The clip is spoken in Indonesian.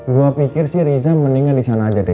gue pikir sih riza mendingan disana aja deh